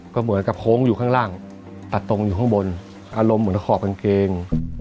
ก็เหมือนกับโค้งอยู่ข้างล่างตัดตรงอยู่ข้างบนอารมณ์เหมือนขอบกางเกง